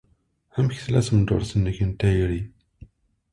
Amek tella tmeddurt-nnek n tayri?